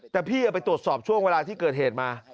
แต่พี่ไปตรวจสอบช่วงเวลาที่เกิดเหตุมา